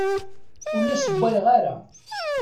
Ur la ssewwayeɣ ara.